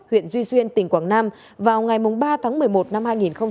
huyện duy xuyên tỉnh quảng nam vào ngày ba tháng một mươi một năm hai nghìn hai mươi